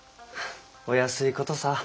おやすいことさ。